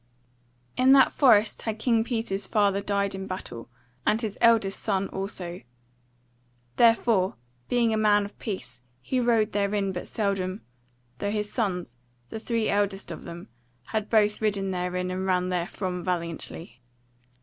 In that forest had King Peter's father died in battle, and his eldest son also; therefore, being a man of peace, he rode therein but seldom, though his sons, the three eldest of them, had both ridden therein and ran therefrom valiantly.